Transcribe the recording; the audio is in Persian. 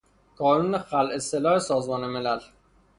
کانون خلع سلاح سازمان ملل